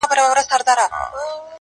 خو ژوند حتمي ستا له وجوده ملغلري غواړي.